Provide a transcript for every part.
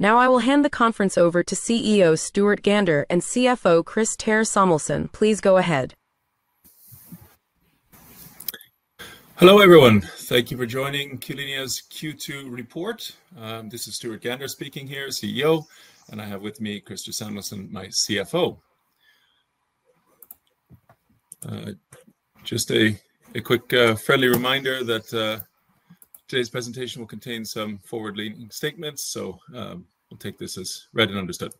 Now I will hand the conference over to CEO Stuart Gander and CFO Christer Samuelsson. Please go ahead. Hello everyone, thank you for joining Q-linea's Q2 report. This is Stuart Gander speaking here, CEO, and I have with me Christer Samuelsson, my CFO. Just a quick friendly reminder that today's presentation will contain some forward-leaning statements, so we'll take this as read and understood.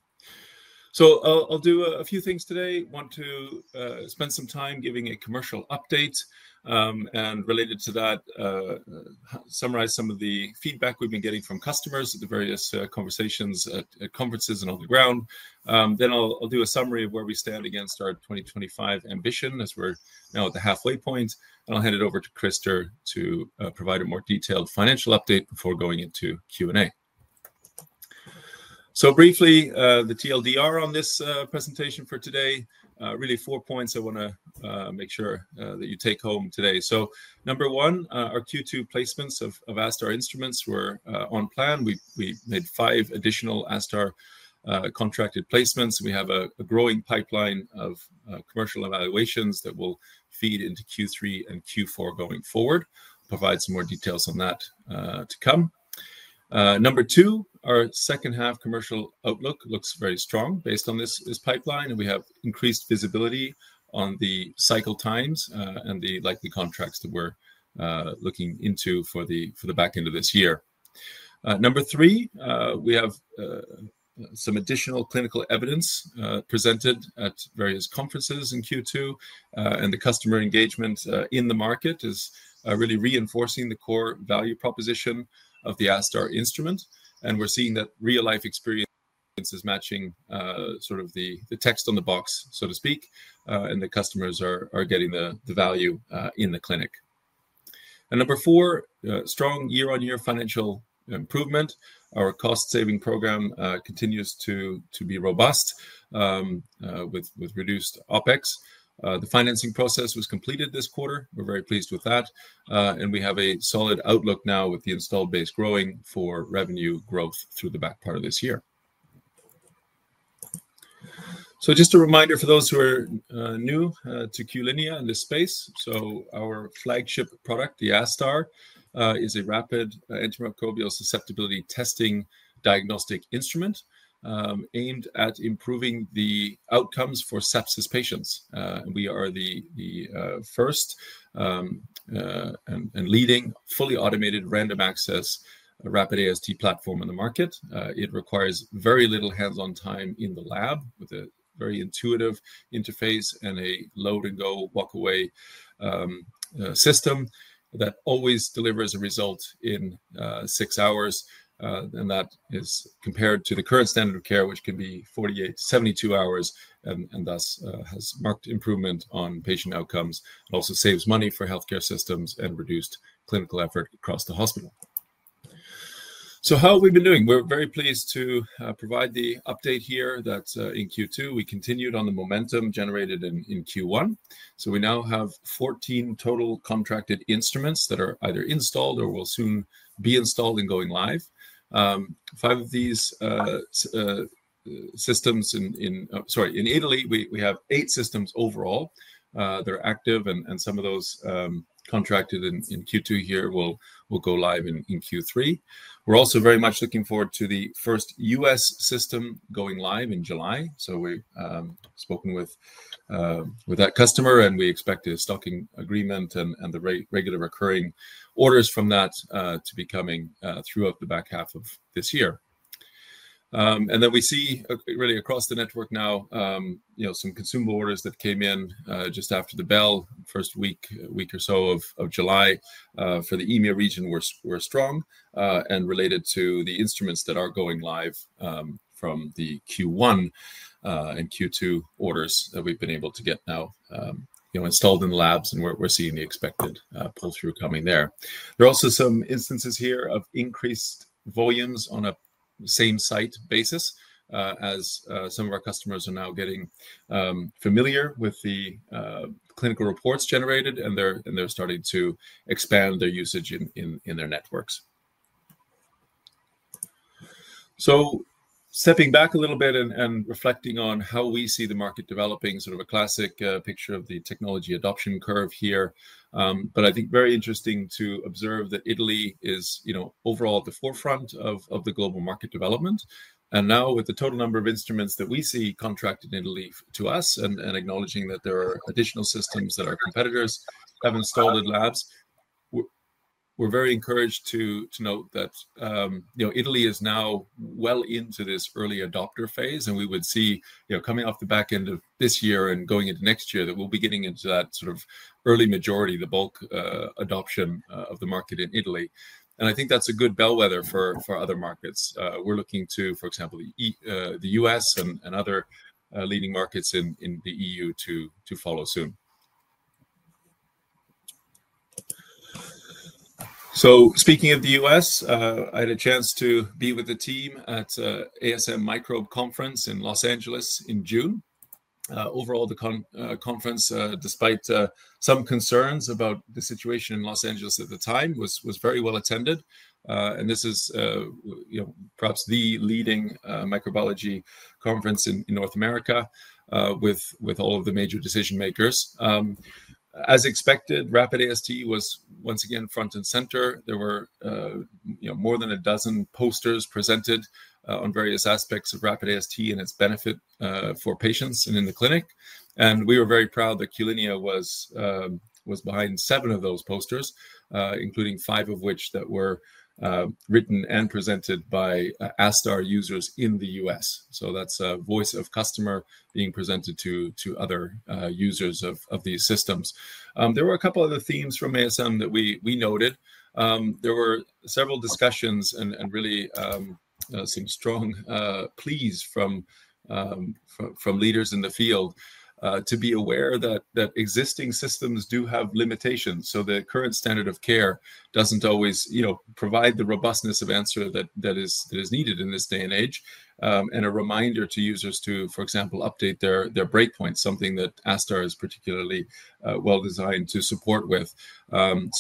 I'll do a few things today. I want to spend some time giving a commercial update, and related to that, summarize some of the feedback we've been getting from customers at the various conversations at conferences and on the ground. I'll do a summary of where we stand against our 2025 ambition, as we're now at the halfway point, and I'll hand it over to Christer to provide a more detailed financial update before going into Q&A. Briefly, the TLDR on this presentation for today, really four points I want to make sure that you take home today. Number one, our Q2 placements of ASTar instruments were on plan. We made five additional ASTar contracted placements. We have a growing pipeline of commercial evaluations that will feed into Q3 and Q4 going forward. I'll provide some more details on that to come. Number two, our second-half commercial outlook looks very strong based on this pipeline, and we have increased visibility on the cycle times and the likely contracts that we're looking into for the back end of this year. Number three, we have some additional clinical evidence presented at various conferences in Q2, and the customer engagement in the market is really reinforcing the core value proposition of the ASTar instrument. We're seeing that real-life experience is matching sort of the text on the box, so to speak, and the customers are getting the value in the clinic. Number four, strong year-on-year financial improvement. Our cost-saving program continues to be robust with reduced OpEx. The financing process was completed this quarter. We're very pleased with that, and we have a solid outlook now with the installed base growing for revenue growth through the back part of this year. Just a reminder for those who are new to Q-linea in this space, our flagship product, the ASTar, is a rapid antimicrobial susceptibility testing diagnostic instrument aimed at improving the outcomes for sepsis patients. We are the first and leading fully automated random access rapid AST platform in the market. It requires very little hands-on time in the lab with a very intuitive interface and a load-and-go walk-away system that always delivers a result in six hours. That is compared to the current standard of care, which can be 48-72 hours, and thus has marked improvement on patient outcomes, also saves money for healthcare systems and reduces clinical effort across the hospital. How have we been doing? We're very pleased to provide the update here that in Q2 we continued on the momentum generated in Q1. We now have 14 total contracted instruments that are either installed or will soon be installed and going live. Five of these systems in Italy, we have eight systems overall. They're active, and some of those contracted in Q2 here will go live in Q3. We're also very much looking forward to the first U.S. system going live in July. We've spoken with that customer, and we expect a stocking agreement and the regular recurring orders from that to be coming throughout the back half of this year. We see really across the network now some consumable orders that came in just after the bell, first week or so of July. For the EMEA region, we're strong and related to the instruments that are going live from the Q1 and Q2 orders that we've been able to get now installed in the labs, and we're seeing the expected pull-through coming there. There are also some instances here of increased volumes on a same-site basis, as some of our customers are now getting familiar with the clinical reports generated, and they're starting to expand their usage in their networks. Stepping back a little bit and reflecting on how we see the market developing, sort of a classic picture of the technology adoption curve here, but I think very interesting to observe that Italy is overall at the forefront of the global market development. Now, with the total number of instruments that we see contracted in Italy to us, and acknowledging that there are additional systems that our competitors have installed in labs, we're very encouraged to note that Italy is now well into this early adopter phase, and we would see coming off the back end of this year and going into next year that we'll be getting into that sort of early majority, the bulk adoption of the market in Italy. I think that's a good bellwether for other markets. We're looking to, for example, the U.S. and other leading markets in the EU to follow soon. Speaking of the U.S., I had a chance to be with the team at the ASM Microbe Conference in Los Angeles in June. Overall, the conference, despite some concerns about the situation in Los Angeles at the time, was very well attended. This is perhaps the leading microbiology conference in North America with all of the major decision makers. As expected, rapid AST was once again front and center. There were more than a dozen posters presented on various aspects of rapid AST and its benefit for patients and in the clinic. We were very proud that Q-linea was behind seven of those posters, including five of which were written and presented by ASTar users in the US. That's a voice of customer being presented to other users of these systems. There were a couple of other themes from ASM that we noted. There were several discussions and really seemed strong pleas from leaders in the field to be aware that existing systems do have limitations. The current standard of care doesn't always provide the robustness of answer that is needed in this day and age, and a reminder to users to, for example, update their break points, something that ASTar is particularly well designed to support with.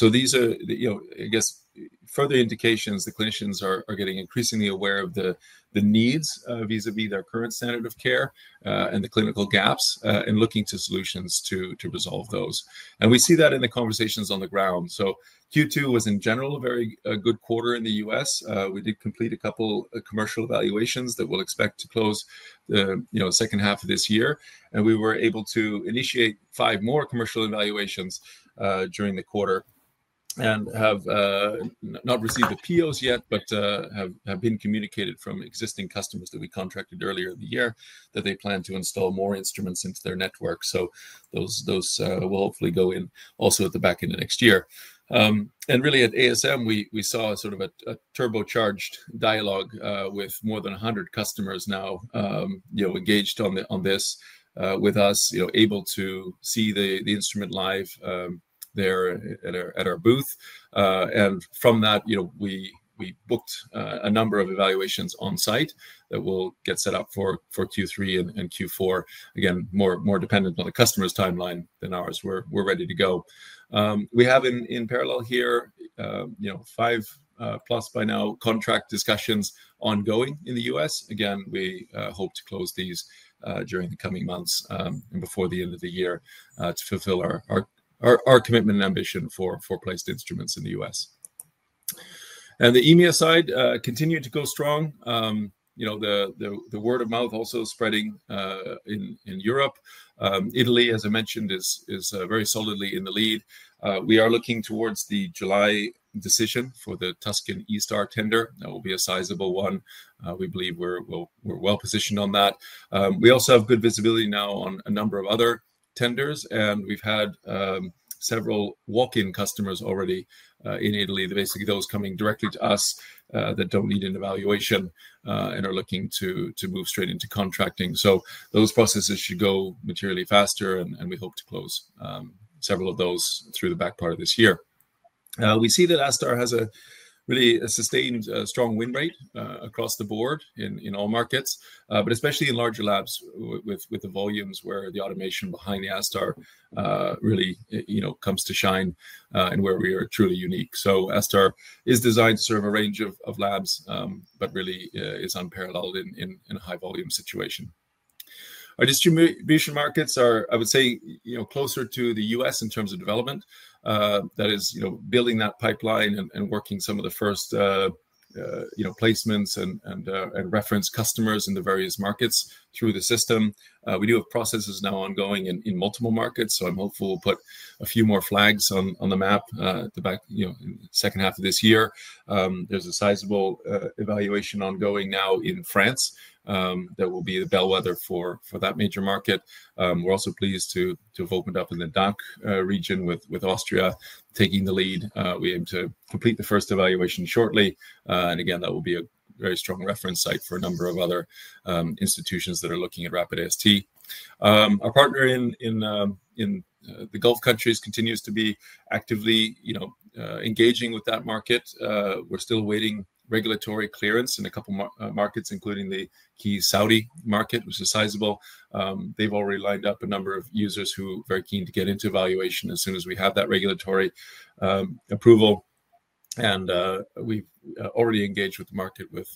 These are further indications that clinicians are getting increasingly aware of the needs vis-à-vis their current standard of care and the clinical gaps and looking to solutions to resolve those. We see that in the conversations on the ground. Q2 was in general a very good quarter in the U.S. We did complete a couple of commercial evaluations that we'll expect to close the second half of this year. We were able to initiate five more commercial evaluations during the quarter and have not received appeals yet, but have been communicated from existing customers that we contracted earlier in the year that they plan to install more instruments into their network. Those will hopefully go in also at the back end of next year. At ASM, we saw sort of a turbocharged dialogue with more than 100 customers now engaged on this with us, able to see the instrument live there at our booth. From that, we booked a number of evaluations on site that will get set up for Q3 and Q4. Again, more dependent on the customer's timeline than ours, we're ready to go. We have in parallel here five plus by now contract discussions ongoing in the U.S. We hope to close these during the coming months and before the end of the year to fulfill our commitment and ambition for placed instruments in the U.S. The EMEA side continued to go strong. The word of mouth is also spreading in Europe. Italy, as I mentioned, is very solidly in the lead. We are looking towards the July decision for the Tuscan eStar tender. That will be a sizable one. We believe we're well positioned on that. We also have good visibility now on a number of other tenders, and we've had several walk-in customers already in Italy. They're basically those coming directly to us that don't need an evaluation and are looking to move straight into contracting. Those processes should go materially faster, and we hope to close several of those through the back part of this year. We see that ASTar has a really sustained strong win rate across the board in all markets, but especially in larger labs with the volumes where the automation behind the ASTar really comes to shine and where we are truly unique. ASTar is designed to serve a range of labs, but really is unparalleled in a high volume situation. Our distribution markets are, I would say, closer to the US in terms of development. That is building that pipeline and working some of the first placements and reference customers in the various markets through the system. We do have processes now ongoing in multiple markets, so I'm hopeful we'll put a few more flags on the map in the second half of this year. There's a sizable evaluation ongoing now in France that will be a bellwether for that major market. We're also pleased to have opened up in the DACH region with Austria taking the lead. We aim to complete the first evaluation shortly, and that will be a very strong reference site for a number of other institutions that are looking at rapid AST. Our partner in the Gulf countries continues to be actively engaging with that market. We're still awaiting regulatory clearance in a couple of markets, including the key Saudi market, which is sizable. They've already lined up a number of users who are very keen to get into evaluation as soon as we have that regulatory approval. We've already engaged with the market with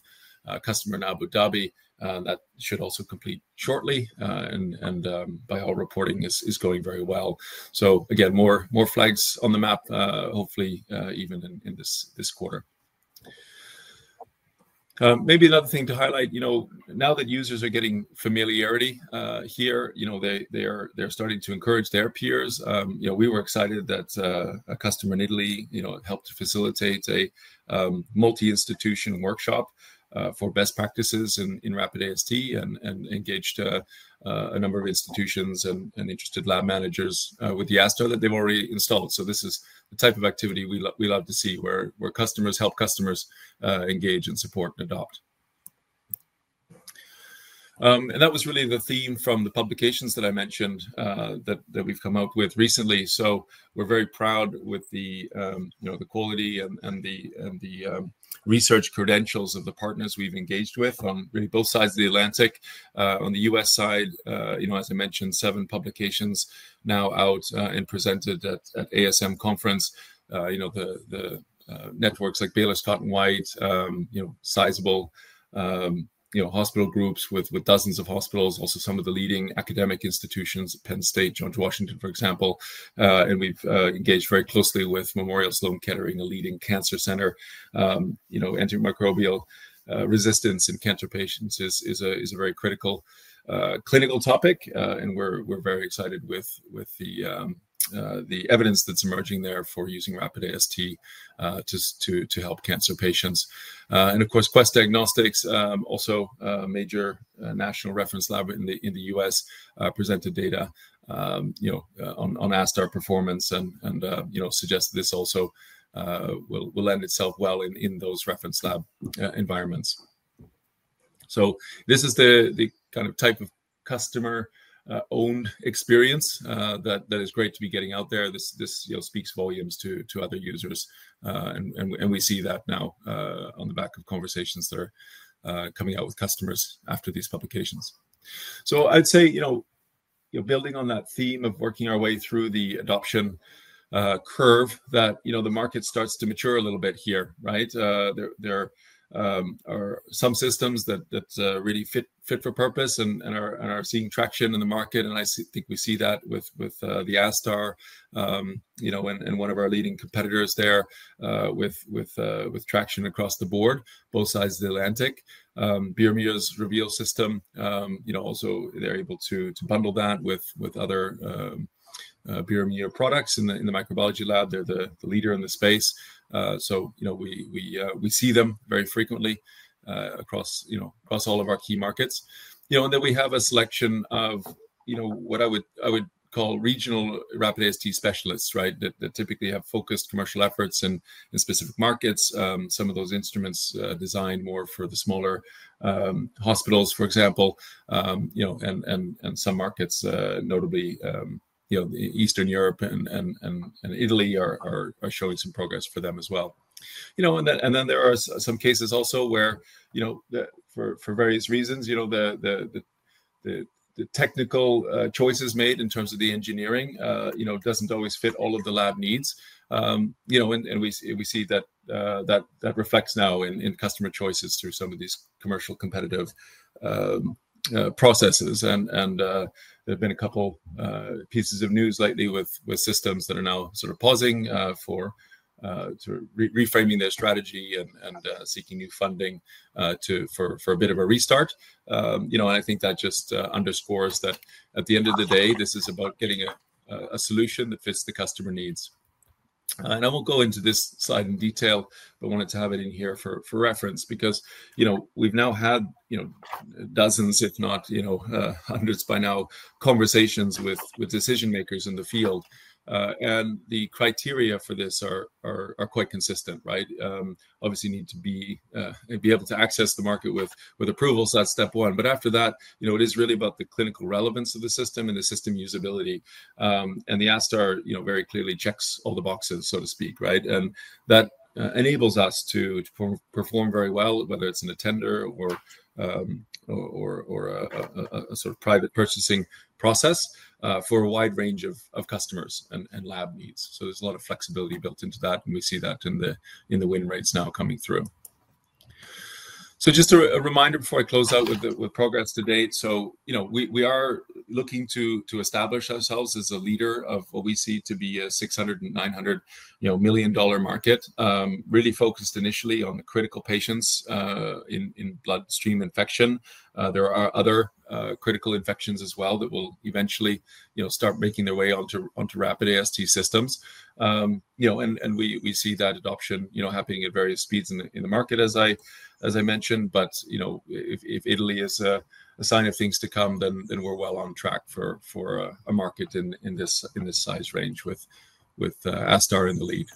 a customer in Abu Dhabi. That should also complete shortly, and by all reporting, this is going very well. More flags on the map, hopefully even in this quarter. Maybe another thing to highlight, now that users are getting familiarity here, they're starting to encourage their peers. We were excited that a customer in Italy helped to facilitate a multi-institution workshop for best practices in rapid AST and engaged a number of institutions and interested lab managers with the ASTar that they've already installed. This is the type of activity we love to see where customers help customers engage and support and adopt. That was really the theme from the publications that I mentioned that we've come out with recently. We're very proud with the quality and the research credentials of the partners we've engaged with on really both sides of the Atlantic. On the U.S. side, as I mentioned, seven publications now out and presented at ASM Conference. The networks like Baylor Scott and White, sizable hospital groups with dozens of hospitals, also some of the leading academic institutions, Penn State, George Washington, for example. We've engaged very closely with Memorial Sloan Kettering, a leading cancer center. Antimicrobial resistance in cancer patients is a very critical clinical topic, and we're very excited with the evidence that's emerging there for using rapid AST to help cancer patients. Of course, Quest Diagnostics, also a major national reference lab in the U.S., presented data on ASTar performance and suggests that this also will lend itself well in those reference lab environments. This is the kind of type of customer-owned experience that is great to be getting out there. This speaks volumes to other users, and we see that now on the back of conversations that are coming out with customers after these publications. I'd say, you know, building on that theme of working our way through the adoption curve, that the market starts to mature a little bit here, right? There are some systems that really fit for purpose and are seeing traction in the market, and I think we see that with the ASTar, one of our leading competitors there, with traction across the board, both sides of the Atlantic. bioMérieux's Reveal system, also they're able to bundle that with other bioMérieux products in the microbiology lab. They're the leader in the space. We see them very frequently across all of our key markets. Then we have a selection of what I would call regional rapid AST specialists, right, that typically have focused commercial efforts in specific markets. Some of those instruments are designed more for the smaller hospitals, for example, and some markets, notably Eastern Europe and Italy, are showing some progress for them as well. There are some cases also where, for various reasons, the technical choices made in terms of the engineering do not always fit all of the lab needs. We see that that reflects now in customer choices through some of these commercial competitive processes. There have been a couple of pieces of news lately with systems that are now sort of pausing for reframing their strategy and seeking new funding for a bit of a restart. I think that just underscores that at the end of the day, this is about getting a solution that fits the customer needs. I will not go into this side in detail, but I wanted to have it in here for reference because we've now had dozens, if not hundreds by now, conversations with decision makers in the field. The criteria for this are quite consistent, right? Obviously, you need to be able to access the market with approvals. That's step one. After that, it is really about the clinical relevance of the system and the system usability. The ASTar very clearly checks all the boxes, so to speak, right? That enables us to perform very well, whether it's in a tender or a sort of private purchasing process for a wide range of customers and lab needs. There is a lot of flexibility built into that, and we see that in the win rates now coming through. Just a reminder before I close out with progress to date. We are looking to establish ourselves as a leader of what we see to be a $600 million-$900 million market, really focused initially on the critical patients in bloodstream infection. There are other critical infections as well that will eventually start making their way onto rapid AST systems. We see that adoption happening at various speeds in the market, as I mentioned. If Italy is a sign of things to come, then we're well on track for a market in this size range with ASTar in the lead.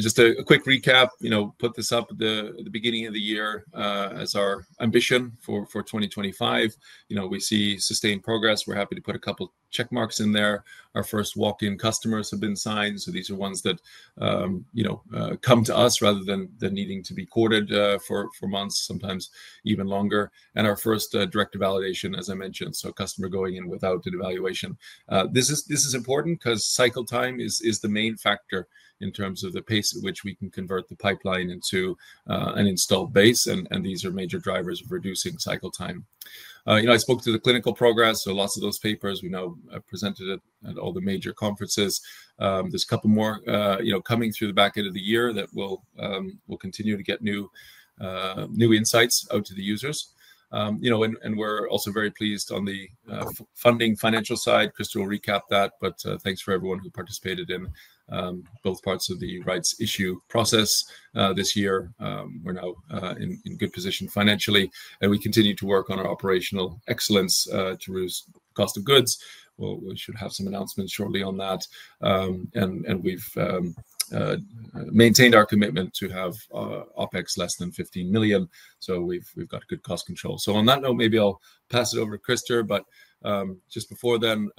Just a quick recap, put this up at the beginning of the year as our ambition for 2025. We see sustained progress. We're happy to put a couple of check marks in there. Our first walk-in customers have been signed. These are ones that come to us rather than needing to be courted for months, sometimes even longer. Our first direct evaluation, as I mentioned, so, a customer going in without an evaluation. This is important because cycle time is the main factor in terms of the pace at which we can convert the pipeline into an installed base. These are major drivers of reducing cycle time. I spoke to the clinical progress. Lots of those papers, we know, presented at all the major conferences. There are a couple more coming through the back end of the year that we'll continue to get new insights out to the users. We're also very pleased on the funding financial side. Christer will recap that. Thanks for everyone who participated in both parts of the rights issue process this year. We're now in good position financially. We continue to work on our operational excellence to reduce cost of goods. We should have some announcements shortly on that. We've maintained our commitment to have OpEx less than $15 million. We've got good cost control. On that note, maybe I'll pass it over to Christer. Just before then,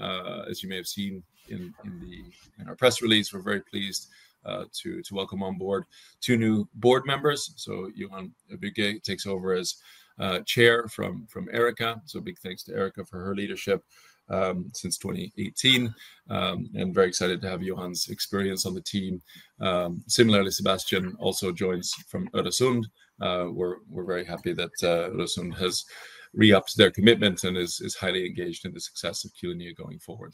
as you may have seen in our press release, we're very pleased to welcome on board two new board members. Johan Abigge takes over as Chair from Erika. Big thanks to Erika for her leadership since 2018. Very excited to have Johan's experience on the team. Similarly, Sebastian also joins from Ödeshund. We're very happy that Ödeshund has re-upped their commitments and is highly engaged in the success of Q-linea going forward.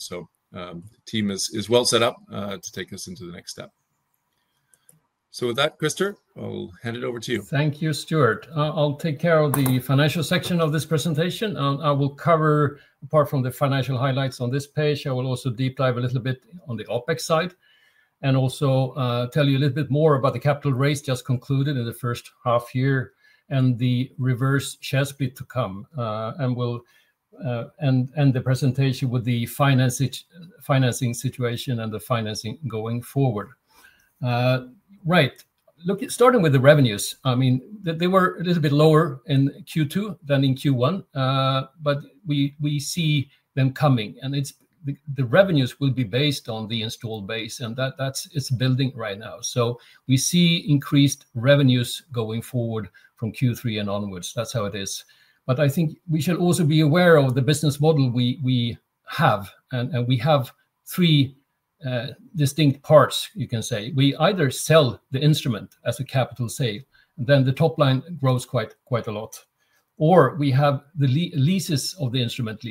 The team is well set up to take us into the next step. With that, Christer, I'll hand it over to you. Thank you, Stuart. I'll take care of the financial section of this presentation. I will cover, apart from the financial highlights on this page, I will also deep dive a little bit on the OpEx side and also tell you a little bit more about the capital raise just concluded in the first half year and the reverse chess beat to come. We'll end the presentation with the financing situation and the financing going forward. Right, starting with the revenues, I mean, they were a little bit lower in Q2 than in Q1. We see them coming. The revenues will be based on the installed base, and that's building right now. We see increased revenues going forward from Q3 and onwards. That's how it is. I think we should also be aware of the business model we have. We have three distinct parts, you can say. We either sell the instrument as a capital save, then the top line grows quite a lot. Or we have the leases of the instrument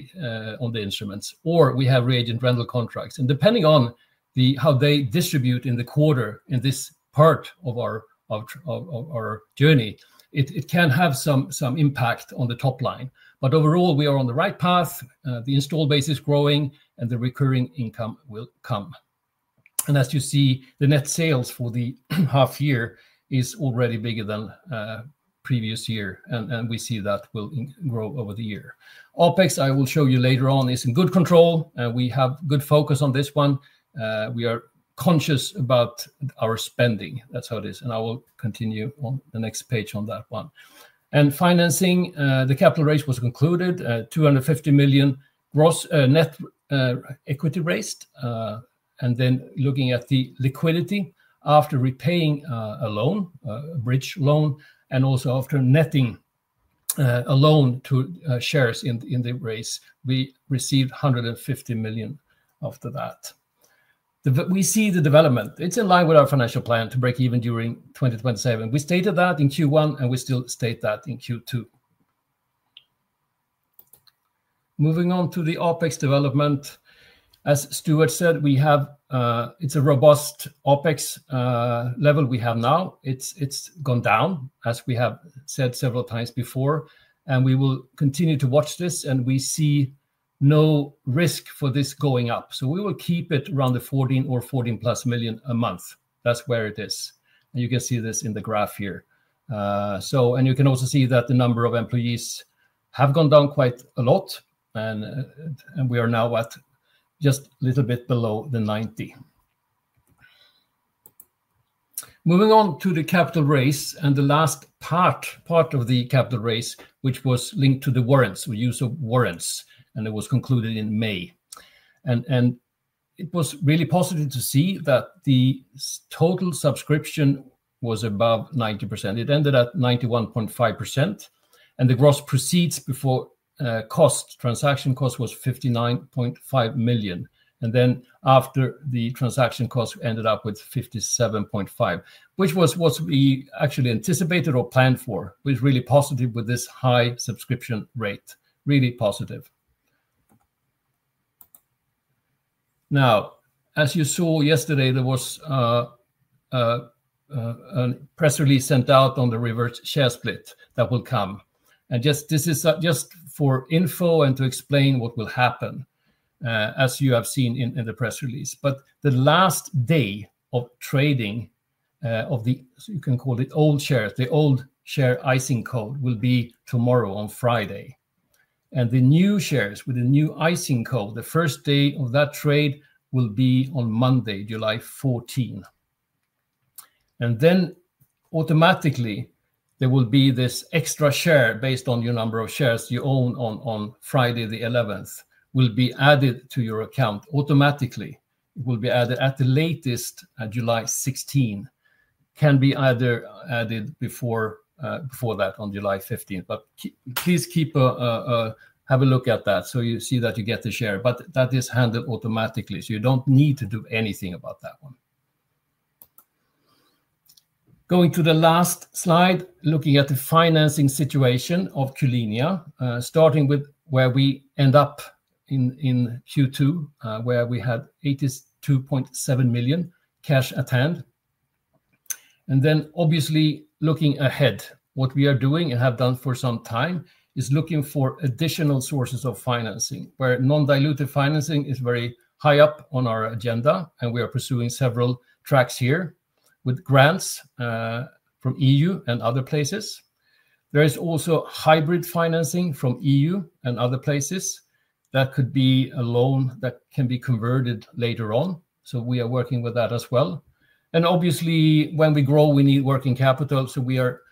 on the instruments. We have reagent rental contracts. Depending on how they distribute in the quarter in this part of our journey, it can have some impact on the top line. Overall, we are on the right path. The installed base is growing, and the recurring income will come. As you see, the net sales for the half year is already bigger than the previous year. We see that will grow over the year. OpEx, I will show you later on, is in good control. We have good focus on this one. We are conscious about our spending. That's how it is. I will continue on the next page on that one. Financing, the capital raise was concluded. 250 million net equity raised. Looking at the liquidity after repaying a loan, a bridge loan, and also after netting a loan to shares in the raise, we received 150 million after that. We see the development. It's in line with our financial plan to break even during 2027. We stated that in Q1, and we still state that in Q2. Moving on to the OpEx development. As Stuart said, it's a robust OpEx level we have now. It's gone down, as we have said several times before. We will continue to watch this, and we see no risk for this going up. We will keep it around the 14 million or 14+ million a month. That's where it is. You can see this in the graph here. You can also see that the number of employees have gone down quite a lot. We are now at just a little bit below the 90%. Moving on to the capital raise and the last part of the capital raise, which was linked to the warrants, the use of warrants, and it was concluded in May. It was really positive to see that the total subscription was above 90%. It ended at 91.5%. The gross proceeds before transaction cost was 59.5 million. After the transaction cost, we ended up with 57.5 million, which was what we actually anticipated or planned for. It was really positive with this high subscription rate. Really positive. As you saw yesterday, there was a press release sent out on the reverse share split that will come. This is just for info and to explain what will happen, as you have seen in the press release. The last day of trading of the, you can call it old shares, the old share ISIN code will be tomorrow on Friday. The new shares with the new ISIN code, the first day of that trade will be on Monday, July 14. There will be this extra share based on your number of shares you own on Friday the 11th, which will be added to your account automatically. It will be added at the latest on July 16. It can be added before that on July 15th. Please have a look at that so you see that you get the share. That is handled automatically, so you don't need to do anything about that one. Going to the last slide, looking at the financing situation of Q-linea, starting with where we end up in Q2, where we had 82.7 million cash at hand. Obviously, looking ahead, what we are doing and have done for some time is looking for additional sources of financing, where non-dilutive funding is very high up on our agenda. We are pursuing several tracks here with grants from the EU and other places. There is also hybrid financing from the EU and other places that could be a loan that can be converted later on. We are working with that as well. Obviously, when we grow, we need working capital. We are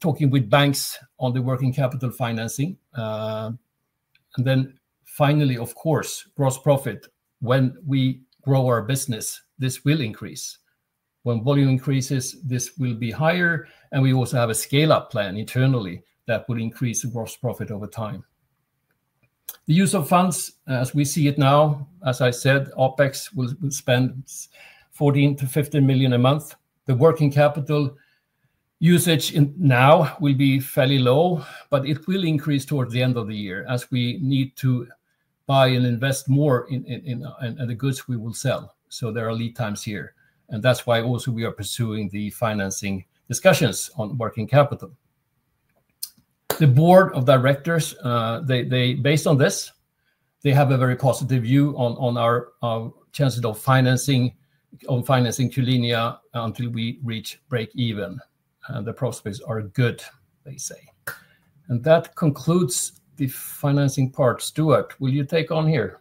talking with banks on the working capital financing. Finally, of course, gross profit. When we grow our business, this will increase. When volume increases, this will be higher. We also have a scale-up plan internally that will increase the gross profit over time. The use of funds, as we see it now, as I said, OpEx will spend 14 million-15 million a month. The working capital usage now will be fairly low, but it will increase towards the end of the year as we need to buy and invest more in the goods we will sell. There are lead times here, and that's why we are also pursuing the financing discussions on working capital. The Board of Directors, based on this, have a very positive view on our chances of financing Q-linea until we reach break even. The prospects are good, they say. That concludes the financing part. Stuart, will you take on here?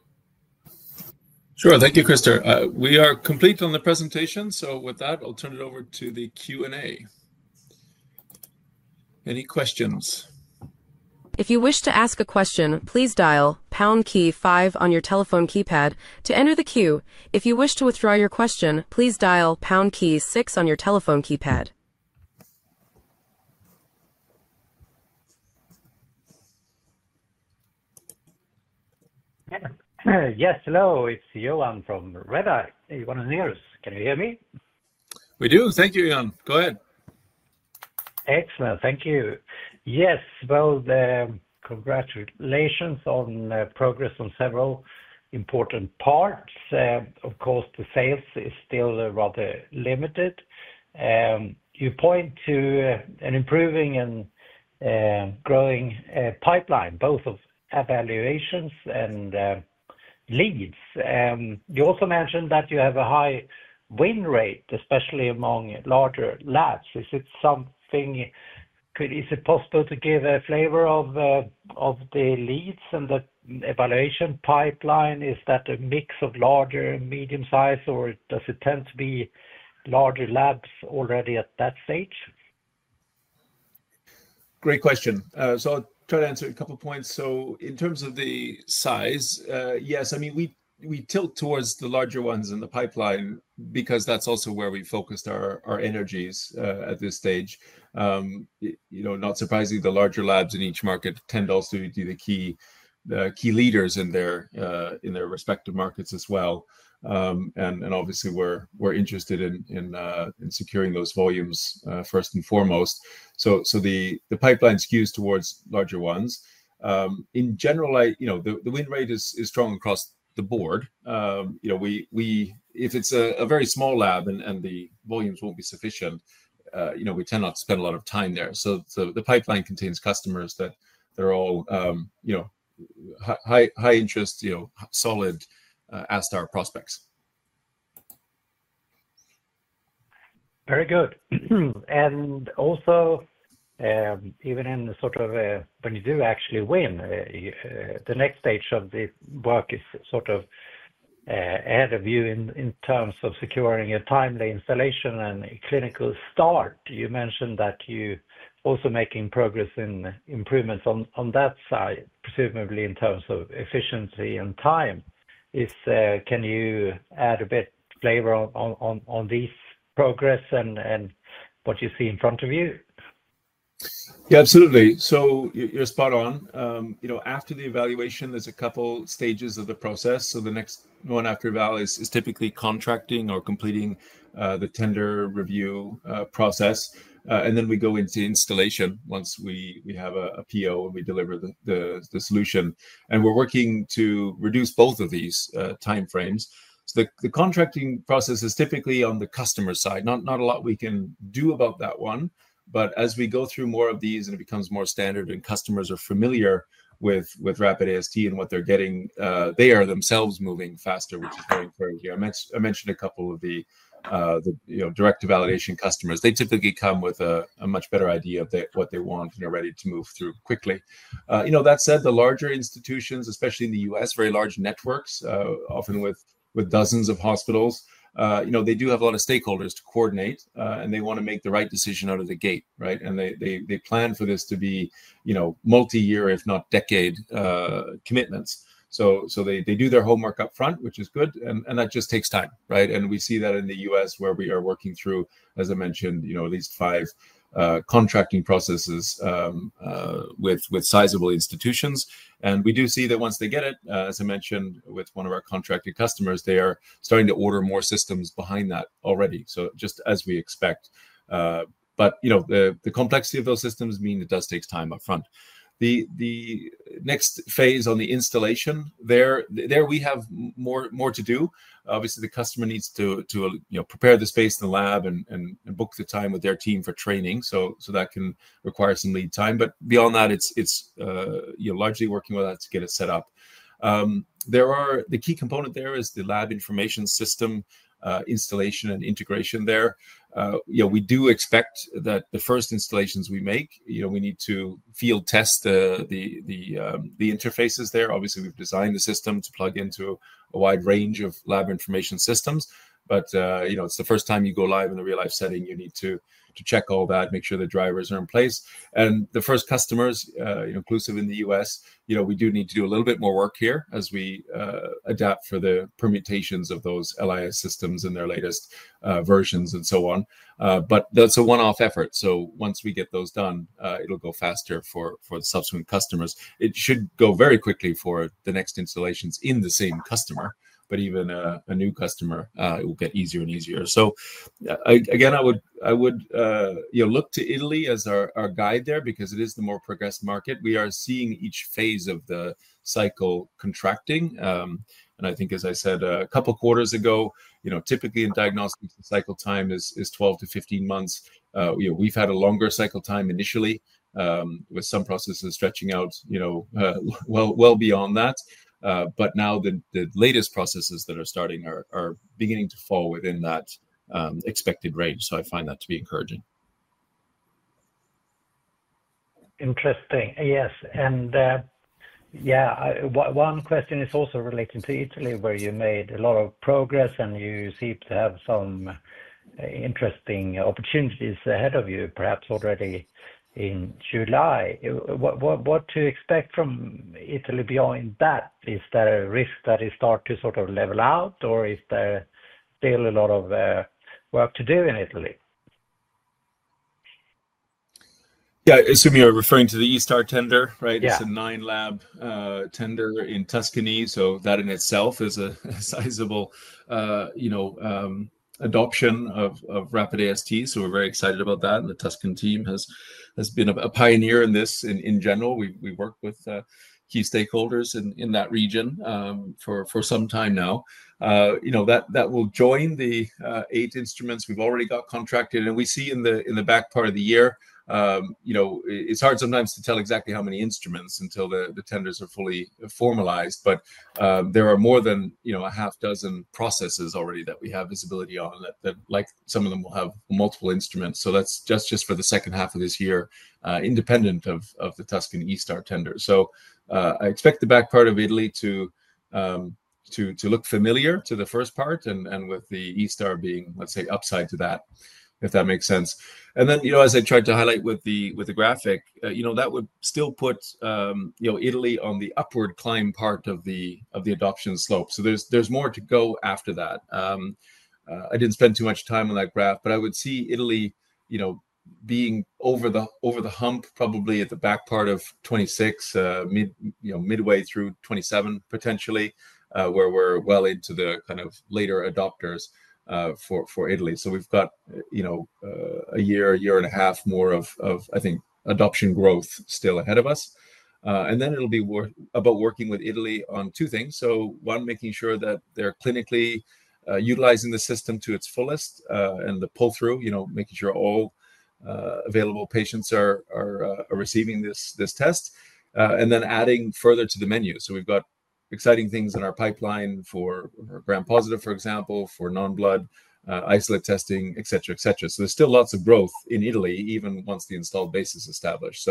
Sure, thank you, Christer. We are complete on the presentation. With that, I'll turn it over to the Q&A. Any questions? If you wish to ask a question, please dial pound key five on your telephone keypad to enter the queue. If you wish to withdraw your question, please dial pound key six on your telephone keypad. Yes, hello, it's Johan from Redeye. Johan Unnerus. Can you hear me? We do. Thank you, Johan. Go ahead. Excellent, thank you. Yes, congratulations on progress on several important parts. Of course, the sales is still rather limited. You point to an improving and growing pipeline, both of evaluations and leads. You also mentioned that you have a high win rate, especially among larger labs. Is it possible to give a flavor of the leads and the evaluation pipeline? Is that a mix of larger and medium size, or does it tend to be larger labs already at that stage? Great question. I'll try to answer a couple of points. In terms of the size, yes, I mean, we tilt towards the larger ones in the pipeline because that's also where we focused our energies at this stage. Not surprisingly, the larger labs in each market tend also to be the key leaders in their respective markets as well. Obviously, we're interested in securing those volumes first and foremost. The pipeline skews towards larger ones. In general, the win rate is strong across the board. If it's a very small lab and the volumes won't be sufficient, we tend not to spend a lot of time there. The pipeline contains customers that are all high interest, solid ASTar prospects. Very good. Also, even in the sort of when you do actually win, the next stage of the work is sort of add a view in terms of securing a timely installation and clinical start. You mentioned that you're also making progress in improvements on that side, presumably in terms of efficiency and time. Can you add a bit of flavor on these progress and what you see in front of you? Yeah, absolutely. You're spot on. After the evaluation, there's a couple of stages of the process. The next one after eval is typically contracting or completing the tender review process. Then we go into the installation once we have a PO and we deliver the solution. We're working to reduce both of these timeframes. The contracting process is typically on the customer side. Not a lot we can do about that one. As we go through more of these and it becomes more standard and customers are familiar with rapid AST and what they're getting, they are themselves moving faster, which is very encouraging. I mentioned a couple of the direct evaluation customers. They typically come with a much better idea of what they want and are ready to move through quickly. That said, the larger institutions, especially in the U.S., very large networks, often with dozens of hospitals, they do have a lot of stakeholders to coordinate. They want to make the right decision out of the gate, right? They plan for this to be multi-year, if not decade, commitments. They do their homework upfront, which is good. That just takes time, right? We see that in the U.S. where we are working through, as I mentioned, at least five contracting processes with sizable institutions. We do see that once they get it, as I mentioned with one of our contracted customers, they are starting to order more systems behind that already, just as we expect. The complexity of those systems means it does take time upfront. The next phase on the installation, there we have more to do. Obviously, the customer needs to prepare the space in the lab and book the time with their team for training. That can require some lead time. Beyond that, it's largely working with us to get it set up. The key component there is the lab information system, installation, and integration there. We do expect that the first installations we make, we need to field test the interfaces there. Obviously, we've designed the system to plug into a wide range of lab information systems. It's the first time you go live in a real-life setting. You need to check all that, make sure the drivers are in place. The first customers, inclusive in the U.S., we do need to do a little bit more work here as we adapt for the permutations of those LIS systems and their latest versions and so on. That's a one-off effort. Once we get those done, it'll go faster for the subsequent customers. It should go very quickly for the next installations in the same customer. Even a new customer, it will get easier and easier. I would look to Italy as our guide there because it is the more progressed market. We are seeing each phase of the cycle contracting. I think, as I said a couple of quarters ago, typically in diagnostics, the cycle time is 12-15 months. We've had a longer cycle time initially, with some processes stretching out well beyond that. Now the latest processes that are starting are beginning to fall within that expected range. I find that to be encouraging. Interesting. Yes. One question is also related to Italy, where you made a lot of progress and you seem to have some interesting opportunities ahead of you, perhaps already in July. What to expect from Italy beyond that? Is there a risk that it starts to sort of level out, or is there still a lot of work to do in Italy? Yeah, I assume you're referring to the eStar tender, right? It's a nine-lab tender in Tuscany. That in itself is a sizable adoption of rapid AST. We're very excited about that. The Tuscan team has been a pioneer in this in general. We work with key stakeholders in that region for some time now. That will join the eight instruments we've already got contracted. We see in the back part of the year, it's hard sometimes to tell exactly how many instruments until the tenders are fully formalized. There are more than a half dozen processes already that we have visibility on, and some of them will have multiple instruments. That's just for the second half of this year, independent of the Tuscan eStar tender. I expect the back part of Italy to look familiar to the first part, with the eStar being, let's say, upside to that, if that makes sense. As I tried to highlight with the graphic, that would still put Italy on the upward climb part of the adoption slope. There's more to go after that. I didn't spend too much time on that graph, but I would see Italy being over the hump, probably at the back part of 2026, midway through 2027, potentially, where we're well into the kind of later adopters for Italy. We've got a year, a year and a half more of, I think, adoption growth still ahead of us. It'll be about working with Italy on two things. One, making sure that they're clinically utilizing the system to its fullest and the pull-through, making sure all available patients are receiving this test. Then adding further to the menu. We've got exciting things in our pipeline for gram positive, for example, for non-blood isolate testing, et cetera, et cetera. There's still lots of growth in Italy, even once the installed base is established.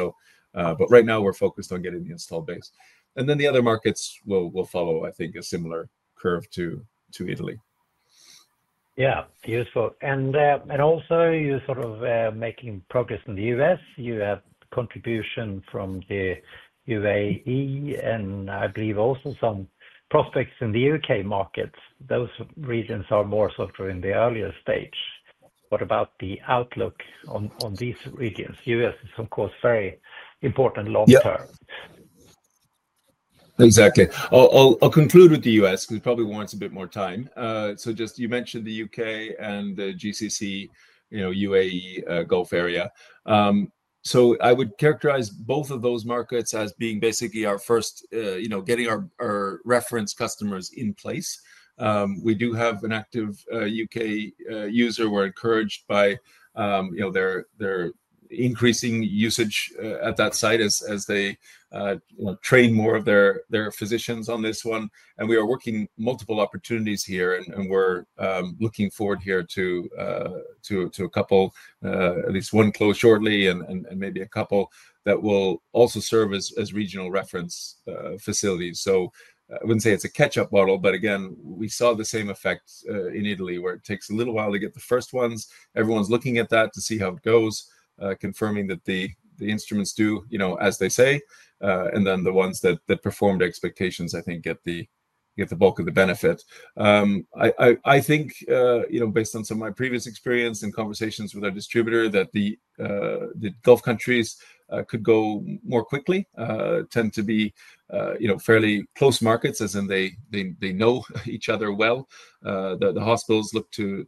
Right now we're focused on getting the installed base. The other markets will follow, I think, a similar curve to Italy. Yeah, useful. You're sort of making progress in the U.S. You have contributions from the UAE, and I believe also some prospects in the U.K. markets. Those regions are more so in the earlier stage. What about the outlook on these regions? The U.S. is, of course, very important long term. Exactly. I'll conclude with the U.S. because it probably warrants a bit more time. You mentioned the U.K., and the Gulf countries, you know, UAE, Gulf Area. I would characterize both of those markets as being basically our first, you know, getting our reference customers in place. We do have an active U.K. user. We're encouraged by their increasing usage at that site as they train more of their physicians on this one. We are working on multiple opportunities here and we're looking forward to at least one close shortly and maybe a couple that will also serve as regional reference facilities. I wouldn't say it's a catch-up model. We saw the same effects in Italy where it takes a little while to get the first ones. Everyone's looking at that to see how it goes, confirming that the instruments do as they say. The ones that perform to expectations, I think, get the bulk of the benefit. Based on some of my previous experience in conversations with our distributor, the Gulf countries could go more quickly, tend to be fairly close markets, as in they know each other well. The hospitals look to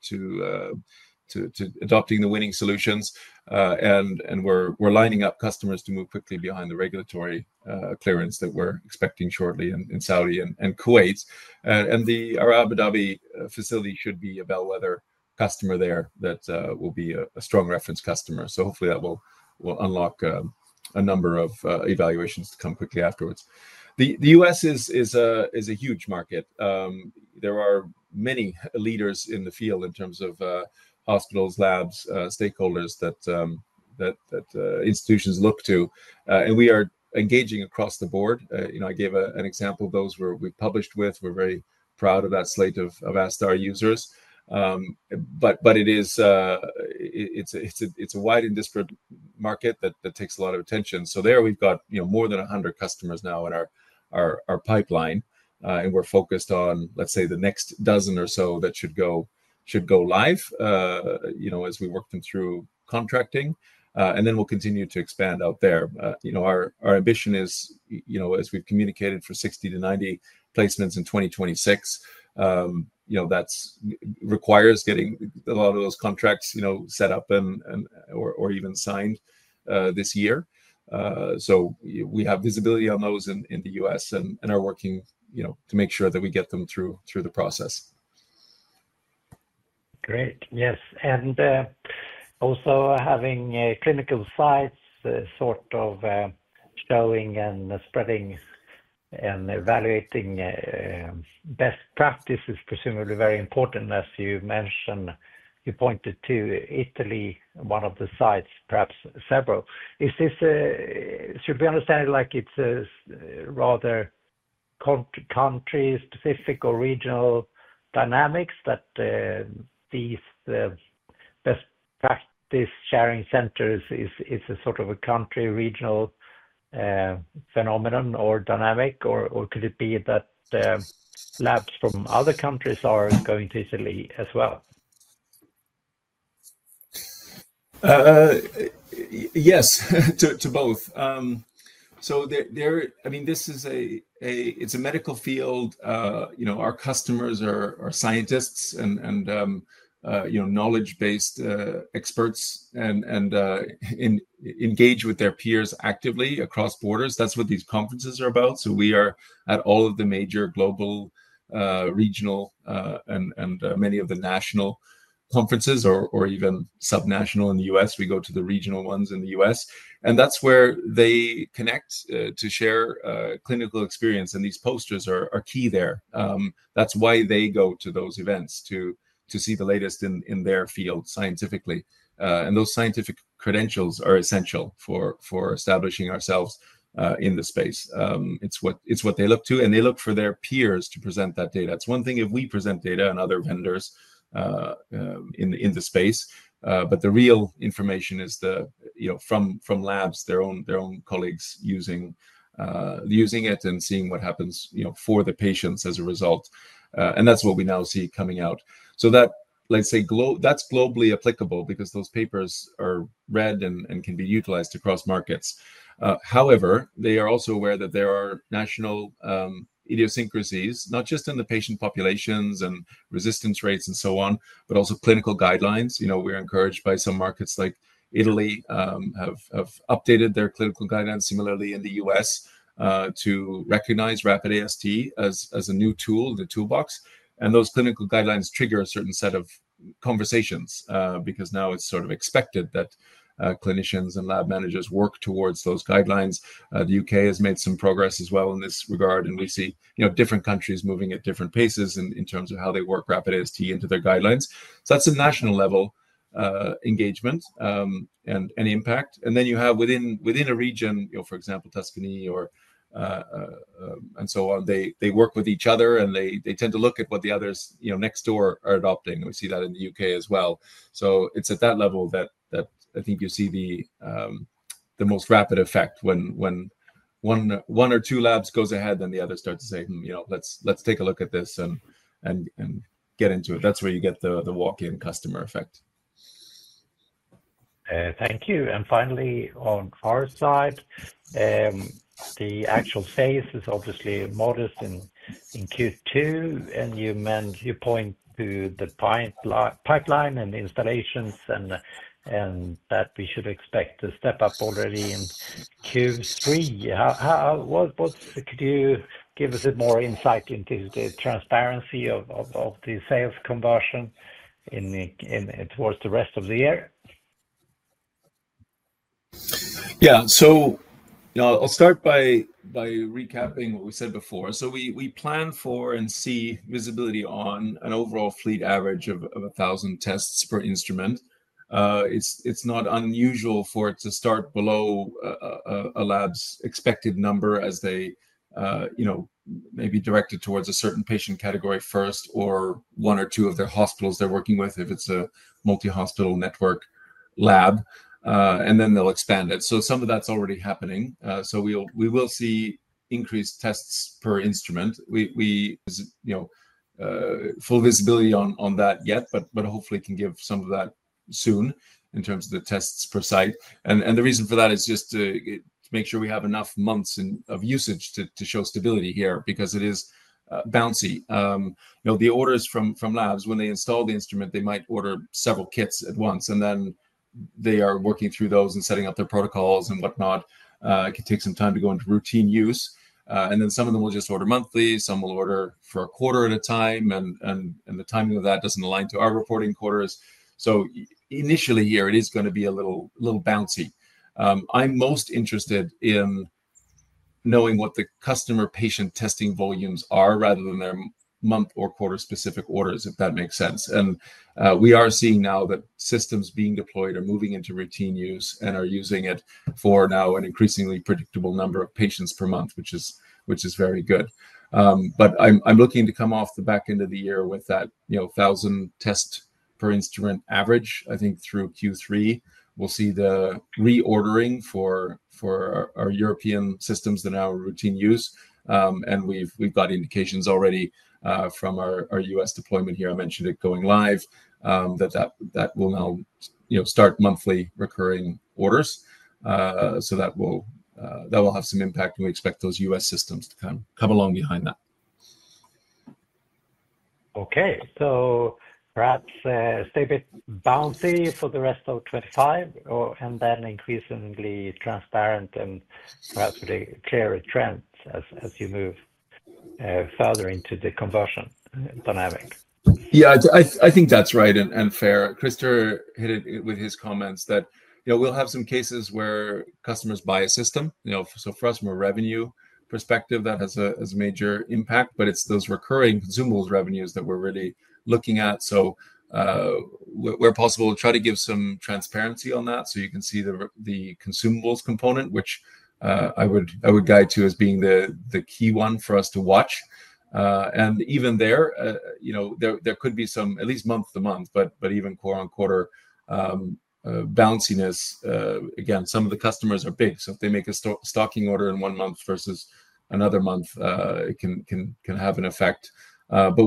adopting the winning solutions. We're lining up customers to move quickly behind the regulatory clearance that we're expecting shortly in Saudi and Kuwait. Our Abu Dhabi facility should be a bellwether customer there that will be a strong reference customer. Hopefully, that will unlock a number of evaluations to come quickly afterwards. The U.S. is a huge market. There are many leaders in the field in terms of hospitals, labs, stakeholders that institutions look to. We are engaging across the board. I gave an example of those where we published with. We're very proud of that slate of ASTar users. It's a wide and disparate market that takes a lot of attention. There we've got more than 100 customers now in our pipeline. We're focused on, let's say, the next dozen or so that should go live as we work them through contracting. We'll continue to expand out there. Our ambition is, as we've communicated, for 60-90 placements in 2026. That requires getting a lot of those contracts set up or even signed this year. We have visibility on those in the U.S. and are working to make sure that we get them through the process. Great, yes. Also, having clinical sites showing and spreading and evaluating best practice is presumably very important, as you mentioned. You pointed to Italy, one of the sites, perhaps several. Should we understand it like it's a rather country-specific or regional dynamics that these best practice sharing centers is a sort of a country-regional phenomenon or dynamic? Could it be that labs from other countries are going to Italy as well? Yes, to both. This is a medical field. Our customers are scientists and knowledge-based experts and engage with their peers actively across borders. That's what these conferences are about. We are at all of the major global, regional, and many of the national conferences or even subnational in the U.S. We go to the regional ones in the U.S., and that's where they connect to share clinical experience. These posters are key there. That's why they go to those events to see the latest in their field scientifically. Those scientific credentials are essential for establishing ourselves in the space. It's what they look to, and they look for their peers to present that data. It's one thing if we present data and other vendors in the space, but the real information is from labs, their own colleagues using it and seeing what happens for the patients as a result. That's what we now see coming out. That's globally applicable because those papers are read and can be utilized across markets. However, they are also aware that there are national idiosyncrasies, not just in the patient populations and resistance rates and so on, but also clinical guidelines. We're encouraged by some markets like Italy have updated their clinical guidelines similarly in the U.S. to recognize rapid AST as a new tool in the toolbox. Those clinical guidelines trigger a certain set of conversations because now it's sort of expected that clinicians and lab managers work towards those guidelines. The U.K. has made some progress as well in this regard. We see different countries moving at different paces in terms of how they work rapid AST into their guidelines. That's a national level engagement and impact. Within a region, for example, Tuscany and so on, they work with each other. They tend to look at what the others next door are adopting. We see that in the U.K. as well. It's at that level that I think you see the most rapid effect when one or two labs go ahead, then the other starts to say, let's take a look at this and get into it. That's where you get the walk-in customer effect. Thank you. Finally, on our side, the actual phase is obviously modest in Q2. You point to the pipeline and installations and that we should expect a step up already in Q3. Could you give us a bit more insight into the transparency of the sales conversion towards the rest of the year? I'll start by recapping what we said before. We plan for and see visibility on an overall fleet average of 1,000 tests per instrument. It's not unusual for it to start below a lab's expected number as they may be directed towards a certain patient category first or one or two of their hospitals they're working with if it's a multi-hospital network lab. They will expand it. Some of that's already happening. We will see increased tests per instrument. We don't have full visibility on that yet, but hopefully can give some of that soon in terms of the tests per site. The reason for that is just to make sure we have enough months of usage to show stability here because it is bouncy. The orders from labs, when they install the instrument, they might order several kits at once. They are working through those and setting up their protocols and whatnot. It could take some time to go into routine use. Some of them will just order monthly. Some will order for a quarter at a time. The timing of that doesn't align to our reporting quarters. Initially here, it is going to be a little bouncy. I'm most interested in knowing what the customer patient testing volumes are rather than their month or quarter specific orders, if that makes sense. We are seeing now that systems being deployed are moving into routine use and are using it for now an increasingly predictable number of patients per month, which is very good. I'm looking to come off the back end of the year with that 1,000 tests per instrument average. I think through Q3, we'll see the reordering for our European systems that are now in routine use. We've got indications already from our U.S. deployment here. I mentioned it going live, that that will now start monthly recurring orders. That will have some impact. We expect those U.S. systems to kind of come along behind that. Okay, so perhaps stay a bit bouncy for the rest of 2025 and then increasingly transparent and perhaps with a clearer trend as you move further into the conversion dynamic. Yeah, I think that's right and fair. Christer hit it with his comments that we'll have some cases where customers buy a system. For us, from a revenue perspective, that has a major impact. It's those recurring consumables revenues that we're really looking at. Where possible, we'll try to give some transparency on that. You can see the consumables component, which I would guide to as being the key one for us to watch. Even there, there could be some, at least month to month, but even quarter on quarter bounciness. Some of the customers are big. If they make a stocking order in one month versus another month, it can have an effect. That's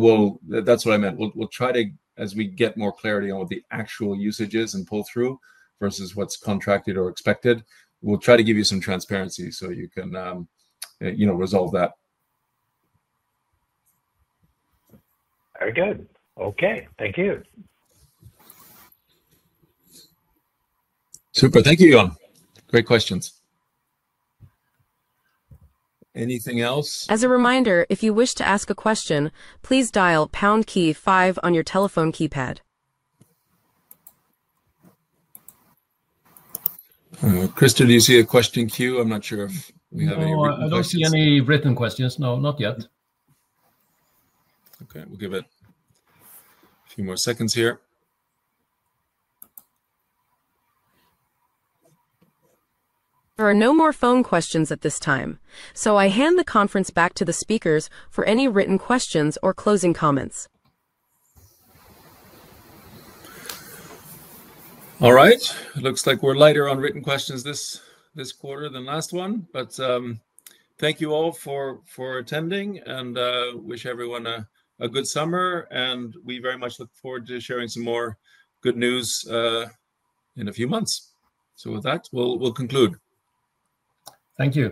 what I meant. We'll try to, as we get more clarity on what the actual usage is and pull through versus what's contracted or expected, give you some transparency so you can resolve that. Very good. Okay, thank you. Super, thank you, Johan. Great questions. Anything else? As a reminder, if you wish to ask a question, please dial the pound key five on your telephone keypad. Christer, do you see a question queue? I'm not sure if we have any questions. No, I don't see any written questions. No, not yet. Okay, we'll give it a few more seconds here. There are no more phone questions at this time. I hand the conference back to the speakers for any written questions or closing comments. All right, it looks like we're lighter on written questions this quarter than last one. Thank you all for attending. We wish everyone a good summer, and we very much look forward to sharing some more good news in a few months. With that, we'll conclude. Thank you.